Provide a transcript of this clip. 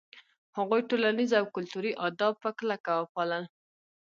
هغوی ټولنیز او کلتوري آداب په کلکه وپالـل.